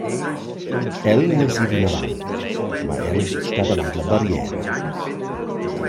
El less ir inavant, mo el sta davant la barriera.